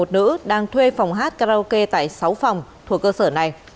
một mươi một nữ đang thuê phòng hát karaoke tại sáu phòng thuộc cơ sở này